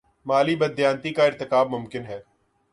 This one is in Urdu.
مالی بد دیانتی کا ارتکاب ممکن ہے۔